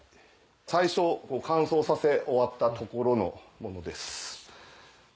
最初乾燥させ終わったところのものです。